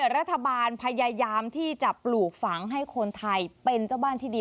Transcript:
รัฐบาลพยายามที่จะปลูกฝังให้คนไทยเป็นเจ้าบ้านที่ดี